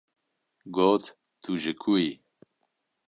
Got: ‘’ Tu ji ku yî? ‘’